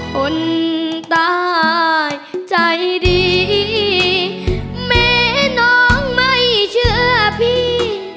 คนตายใจดีแม้น้องไม่เชื่อพี่